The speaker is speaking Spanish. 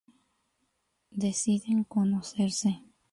Deciden conocerse.